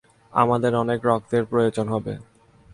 আমাদের অনেক রক্তের প্রয়োজন হবে।